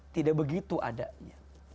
tidak begitu adanya